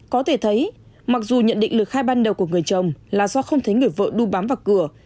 có thể thấy mặc dù nhận định lời khai ban đầu của người chồng là do không thấy người vợ đu bám vào cửa